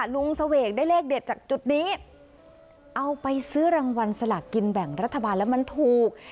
ลุงเสวกได้เลขเด็ดจากจุดนี้เอาไปซื้อรางวัลสลากกินแบ่งรัฐบาลแล้วมันถูก